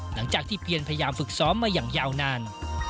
หลังจากที่เพียนพยายามฝึกซ้อมมาอย่างยาวนาน